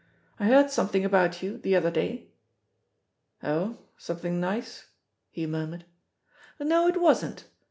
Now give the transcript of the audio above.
I heard something about you the other day." "Oh, something nice?" he murmured. "No, it wasn't.